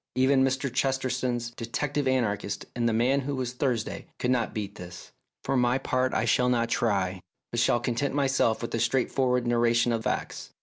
Even Mr. Chesterton's detective anarchists in the "Man who was Thursday " could not beat this. For my part I shall not try, but shall content myself with a straightforward narration of facts.